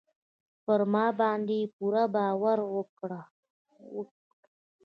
پر ما باندې پوره باور وکړئ.